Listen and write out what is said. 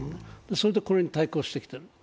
それでこれに対抗してきた。